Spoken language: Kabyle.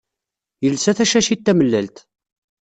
Yelsa tacacit tamellalt.